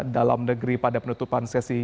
dalam negeri pada penutupan sesi